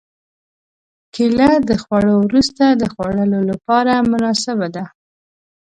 کېله د خوړو وروسته د خوړلو لپاره مناسبه ده.